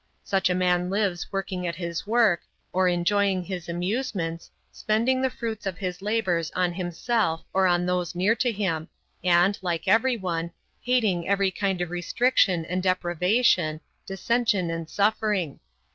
Such a man lives working at his work, or enjoying his amusements, spending the fruits of his labors on himself or on those near to him, and, like everyone, hating every kind of restriction and deprivation, dissension and suffering.